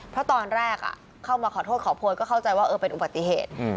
เพราะตอนแรกเข้ามาขอโทษขอโพยก็เข้าใจว่าเป็นอุบัติเหตุ